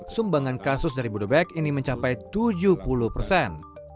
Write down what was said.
sumbangan kasus dari bodebek ini mencapai tujuh puluh persen